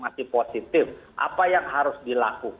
kalau seandainya ada yang terpengaruh